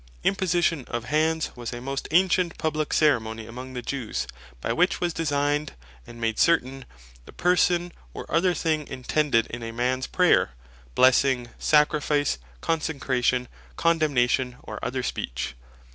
Imposition of Hands, was a most ancient publique ceremony amongst the Jews, by which was designed, and made certain, the person, or other thing intended in a mans prayer, blessing, sacrifice, consecration, condemnation, or other speech.